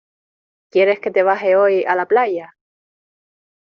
¿ quieres que te baje hoy a la playa?